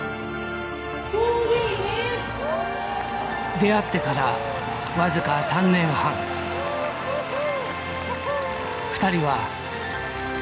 出会ってから僅か３年半２人は夢をかなえた。